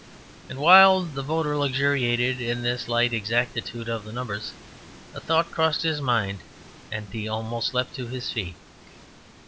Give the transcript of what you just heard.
And while the voter luxuriated in this light exactitude of the numbers, a thought crossed his mind and he almost leapt to his feet.